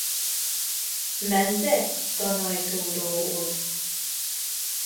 Nemde, ganajtúró úr?